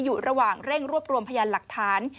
อยู่ระหว่างเร่งรวบรวมพยานหลักฐาน